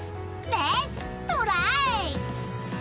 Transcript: レッツトライ！